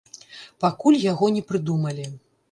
Пакуль яго не прыдумалі.